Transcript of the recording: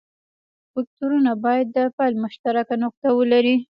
وکتورونه باید د پیل مشترکه نقطه ولري.